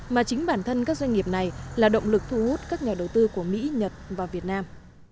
mà chính bản thân các doanh nghiệp này là động lực thu hút các nhà đầu tư của mỹ nhật và việt nam